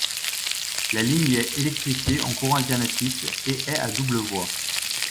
La ligne y est électrifiée en courant alternatif et est à double voie.